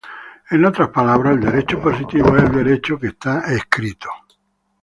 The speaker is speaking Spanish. En otras palabras el derecho positivo es el derecho que está escrito.